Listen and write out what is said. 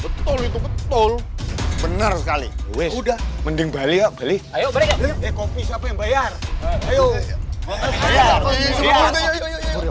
betul betul benar sekali udah mending balik beli ayo